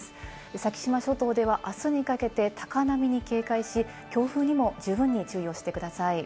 先島諸島ではあすにかけて高波に警戒し、強風にも十分に注意をしてください。